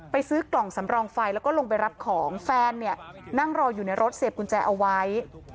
ซื้อกล่องสำรองไฟแล้วก็ลงไปรับของแฟนเนี่ยนั่งรออยู่ในรถเสียบกุญแจเอาไว้